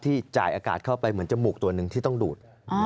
จ่ายอากาศเข้าไปเหมือนจมูกตัวหนึ่งที่ต้องดูด